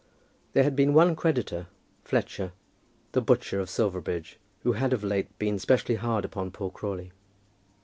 There had been one creditor, Fletcher, the butcher of Silverbridge, who had of late been specially hard upon poor Crawley.